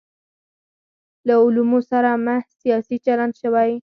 له علومو سره محض سیاسي چلند شوی.